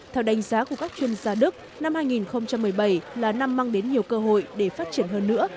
theo đánh giá của các chuyên gia đức năm hai nghìn một mươi bảy là năm mang đến nhiều cơ hội để phát triển hơn nữa